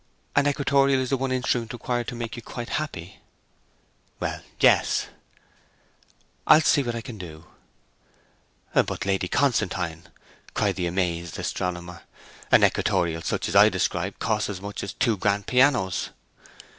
'An equatorial is the one instrument required to make you quite happy?' 'Well, yes.' 'I'll see what I can do.' 'But, Lady Constantine,' cried the amazed astronomer, 'an equatorial such as I describe costs as much as two grand pianos!'